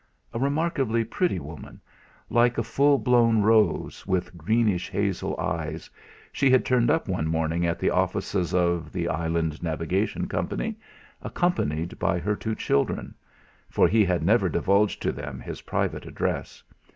A remarkably pretty woman, like a full blown rose, with greenish hazel eyes, she had turned up one morning at the offices of "The Island Navigation Company," accompanied by her two children for he had never divulged to them his private address.